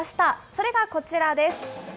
それがこちらです。